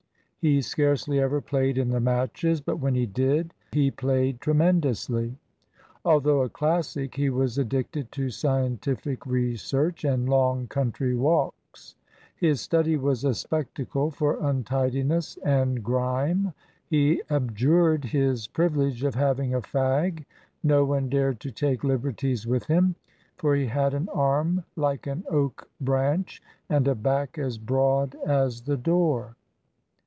He scarcely ever played in the matches, but when he did he played tremendously. Although a Classic, he was addicted to scientific research and long country walks. His study was a spectacle for untidiness and grime. He abjured his privilege of having a fag. No one dared to take liberties with him, for he had an arm like an oak branch, and a back as broad as the door.